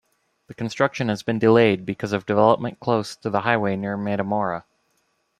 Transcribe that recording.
The construction has been delayed because of development close to the highway near Metamora.